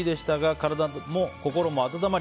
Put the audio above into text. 体も心も温まり